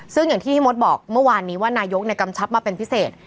ซึ่งอย่างที่พี่มดบอกเมื่อวานนี้ว่านายกกำชับมาเป็นพิเศษ